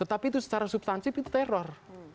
tetapi itu secara substansif itu teror